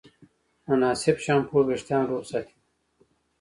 مناسب شامپو وېښتيان روغ ساتي.